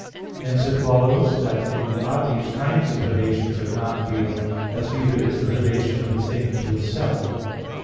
Hence it follows that in God these kinds of relations are not real; as neither is the relation of a thing to itself.